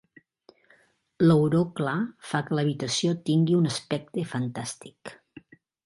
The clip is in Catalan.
L'auró clar fa que l'habitació tingui un aspecte fantàstic.